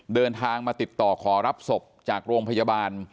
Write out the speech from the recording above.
เดินทางมาติดต่อขอรับศพจากโรงพยาบาล